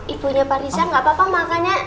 ibunya pak riza gak papa makannya